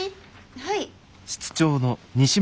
はい。